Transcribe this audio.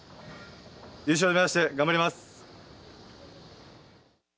優勝目指して頑張ります。